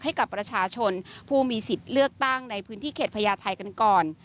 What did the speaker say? ให้กับประชาชนผู้มีสิทธิ์เลือกตั้งในพื้นที่เขตพญาไทยกันก่อน